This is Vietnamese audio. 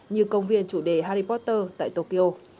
như công viên chủ đề harry potter tại tokyo